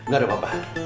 gak ada apa apa